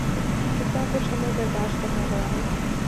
کتنا کچھ ہمیں برداشت کرنا پڑا ہے۔